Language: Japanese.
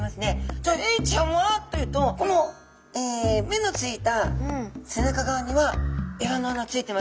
じゃあエイちゃんはというとこの目のついた背中側にはエラの穴ついてません。